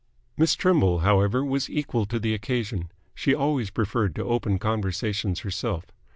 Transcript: Miss Trimble, however, was equal to the occasion. She always preferred to open conversations herself.